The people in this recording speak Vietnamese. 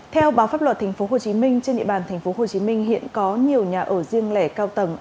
theo báo pháp luật tp hcm trên địa bàn tp hcm hiện có nhiều nhà ở riêng lẻ cao tầng